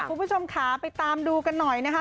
คุณผู้ชมค่ะไปตามดูกันหน่อยนะคะ